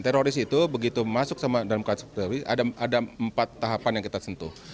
teroris itu begitu masuk dalam kasus teroris ada empat tahapan yang kita sentuh